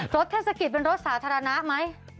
เทศกิจเป็นรถสาธารณะไหม